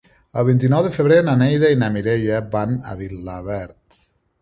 El vint-i-nou de febrer na Neida i na Mireia van a Vilaverd.